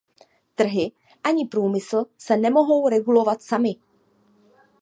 Trhy ani průmysl se nemohou regulovat samy.